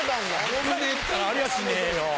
危ねぇったらありゃしねえよ。